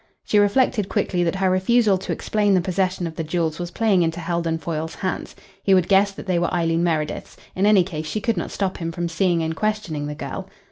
She reflected quickly that her refusal to explain the possession of the jewels was playing into Heldon Foyle's hands. He would guess that they were Eileen Meredith's in any case, she could not stop him from seeing and questioning the girl.